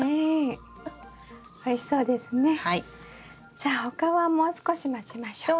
じゃあ他はもう少し待ちましょうか。